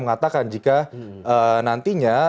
mengatakan jika nantinya